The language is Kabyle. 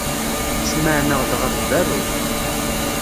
Smeɛneɣ-d ɣef berru.